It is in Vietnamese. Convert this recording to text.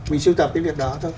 mình sưu tập cái việc đó thôi